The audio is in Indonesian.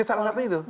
salah satunya itu